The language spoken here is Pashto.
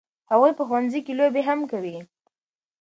هغوی په ښوونځي کې لوبې هم کوي.